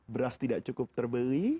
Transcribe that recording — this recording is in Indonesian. beras tidak cukup terbeli